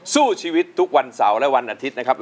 สู้ชีวิตทุกวันเสาร์และวันอาทิตย์นะครับ